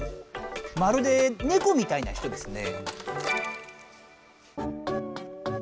まるでねこみたいな人ですねぇ。